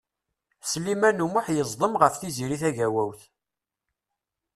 Sliman U Muḥ yeẓdem ɣef Tiziri Tagawawt.